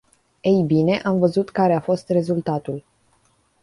Ei bine, am văzut care a fost rezultatul.